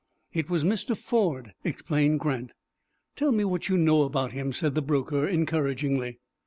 "It was Mr. Ford," explained Grant. "Tell me what you know about him," said the broker, encouragingly.